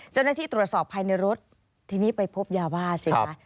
เจ้าหน้าที่ตรวจสอบภายในรถทีนี้ไปพบยาบ้าสิคะ